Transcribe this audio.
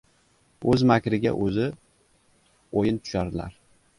O‘z makriga o‘zi o‘yin tusharlar